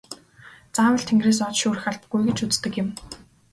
Заавал тэнгэрээс од шүүрэх албагүй гэж үздэг юм.